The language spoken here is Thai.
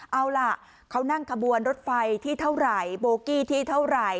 เอาล่ะเขานั่งขบวนรถไฟที่เท่าไหร่โบกี้ที่เท่าไหร่